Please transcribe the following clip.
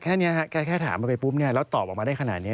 แค่นี้ถามมาไปปุ๊บแล้วก็ตอบมาได้ขนาดนี้